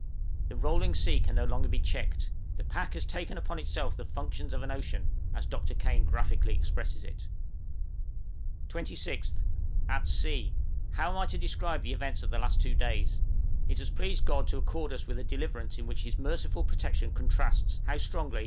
The rolling sea can no longer be checked; "the pack has taken upon itself the functions of an ocean," as Dr. Kane graphically expresses it. 26th. At sea! How am I to describe the events of the last two days? It has pleased God to accord to us a deliverance in which His merciful protection contrasts how strongly!